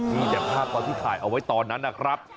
นี่แหละภาพที่ถ่ายเอาไว้ตอนนั้นนะครับ